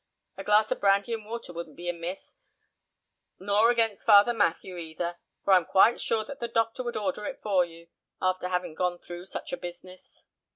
A glass of brandy and water wouldn't be amiss, nor against Father Mathew either; for I am quite sure that the doctor would order it for you, after having gone through such a business."